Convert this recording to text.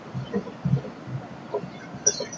These were later replaced by deflectors with angled top.